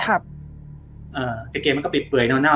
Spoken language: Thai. กางเกงมันก็ไปเปื่อยเน่า